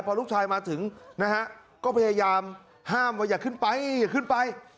พอลูกชายมาถึงนะฮะก็พยายามห้ามว่าอย่าขึ้นไปอย่าขึ้นไป